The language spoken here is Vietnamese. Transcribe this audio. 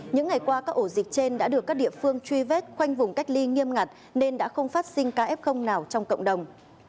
những ngày qua các ổ dịch trên đã được các địa phương truy vết khoanh vùng cách ly nghiêm ngặt nên đã không phát sinh ca f nào trong cộng đồng